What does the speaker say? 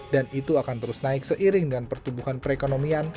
dan itu akan terus naik seiring dengan pertumbuhan perekonomian